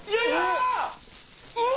うわ！